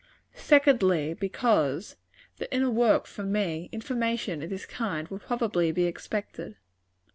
Secondly, because, that in a work from me, information of this kind will probably be expected.